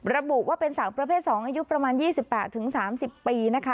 ระบุว่าเป็นสาวประเภทสองอายุประมาณยี่สิบแปดถึงสามสิบปีนะคะ